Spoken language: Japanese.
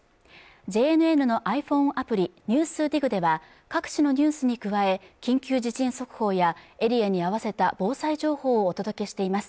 ＪＮＮのｉＰｈｏｎｅアプリ「ＮＥＷＳＤＩＧ」では各地のニュースに加え緊急地震速報やエリアに合わせた防災情報をお届けしています